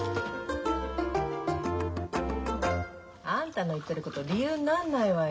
あんたの言ってること理由になんないわよ。